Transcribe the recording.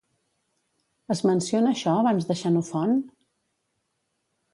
Es menciona això abans de Xenofont?